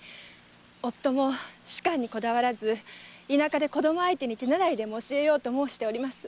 夫も仕官にこだわらず田舎で子供相手に手習いでも教えようと申しております。